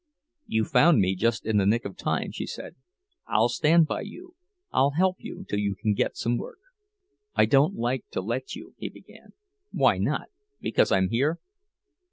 "You found me just in the nick of time," she said. "I'll stand by you—I'll help you till you can get some work." "I don't like to let you—" he began. "Why not? Because I'm here?"